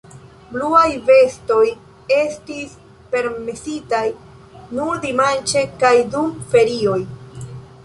Bluaj vestoj estis permesitaj nur dimanĉe kaj dum ferioj.